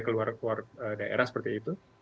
keluar keluar daerah seperti itu